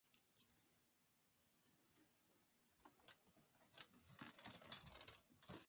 Es en este disco donde el baterista "Memo" hace su debut en la banda.